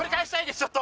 ちょっと。